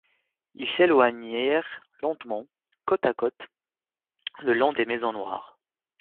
Ils s'éloignèrent lentement, côte à côte, le long des maisons noires.